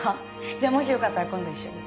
じゃあもしよかったら今度一緒に。